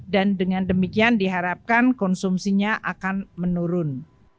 dan dengan demikian diharapkan konsumsinya akan menurun